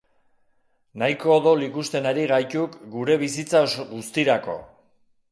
Nahiko odol ikusten ari gaituk gure bizitza guztirako.